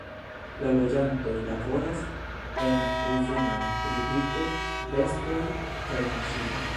La loĝantoj laboras en uzinoj pri briko, vestoj kaj maŝino.